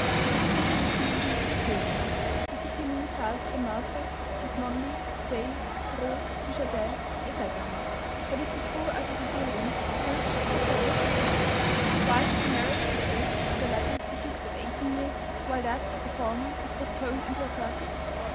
They would simply recommend him to be PRUDENT. This opinion is held by Malthus, Sismondi, Say, Droz, Duchatel, &c. But if the poor are to be PRUDENT, the rich must set the example. Why should the marriageable age of the latter be fixed at eighteen years, while that of the former is postponed until thirty?